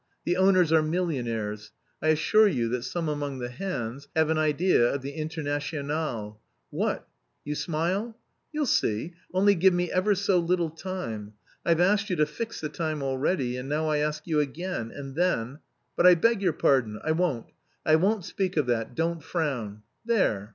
The owners are millionaires. I assure you that some among the hands have an idea of the Internationale. What, you smile? You'll see only give me ever so little time! I've asked you to fix the time already and now I ask you again and then.... But I beg your pardon, I won't, I won't speak of that, don't frown. There!"